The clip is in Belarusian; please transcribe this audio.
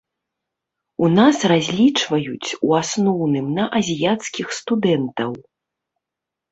У нас разлічваюць у асноўным на азіяцкіх студэнтаў.